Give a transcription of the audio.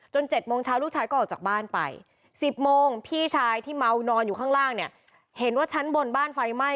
๗โมงเช้าลูกชายก็ออกจากบ้านไป๑๐โมงพี่ชายที่เมานอนอยู่ข้างล่างเนี่ยเห็นว่าชั้นบนบ้านไฟไหม้